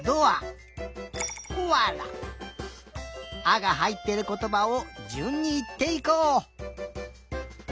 「あ」がはいってることばをじゅんにいっていこう。